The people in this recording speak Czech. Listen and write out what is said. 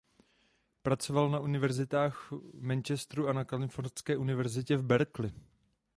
Pracoval na univerzitách v Manchesteru a na Kalifornské univerzitě v Berkeley.